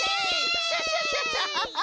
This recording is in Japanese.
クシャシャシャシャ！